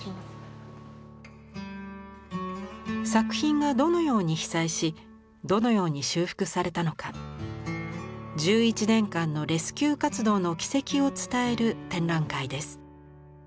作品がどのように被災しどのように修復されたのか１１年間のレスキュー活動の軌跡を伝える展覧会です。